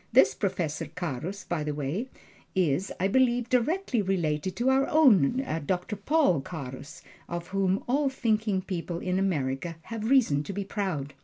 This Professor Carus, by the way, is, I believe, directly related to our own Doctor Paul Carus, of whom all thinking people in America have reason to be proud.